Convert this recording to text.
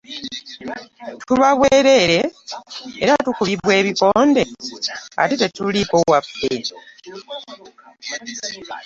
Tuba bwereere, era tukubibwa ebikonde ate tetuliiko waffe.